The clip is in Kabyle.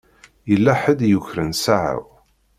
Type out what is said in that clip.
Yella ḥedd i yukren ssaɛa-w.